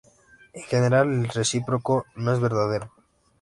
En general, el recíproco no es verdadero.